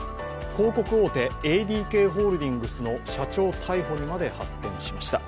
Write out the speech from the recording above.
広告大手ＡＤＫホールディングスの社長逮捕にまで発展しました。